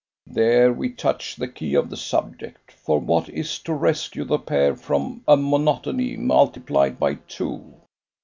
"There we touch the key of the subject. For what is to rescue the pair from a monotony multiplied by two?